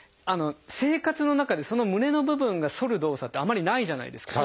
生活の中でその胸の部分が反る動作ってあまりないじゃないですか。